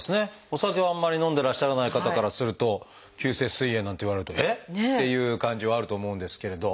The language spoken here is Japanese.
お酒をあんまり飲んでらっしゃらない方からすると急性すい炎なんて言われるとえっ？っていう感じはあると思うんですけれど。